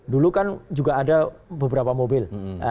dulu kan juga ada beberapa mobil